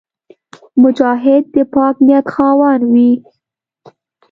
مجاهد د پاک نیت خاوند وي.